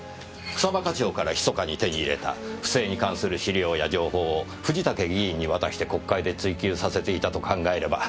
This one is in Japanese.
草葉課長から密かに手に入れた不正に関する資料や情報を藤竹議員に渡して国会で追及させていたと考えれば筋は通ります。